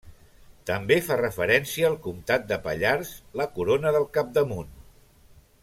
També fa referència al comtat de Pallars la corona del capdamunt.